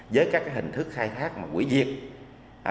với các hình thức khai thác các ngư cụ bị cấm